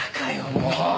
もう！